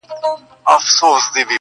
ډېر کۀ په بټ کښې د حالاتو ورتېدل وختونه